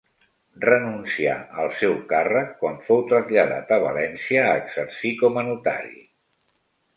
Renuncià al seu càrrec quan fou traslladat a València a exercir com a notari.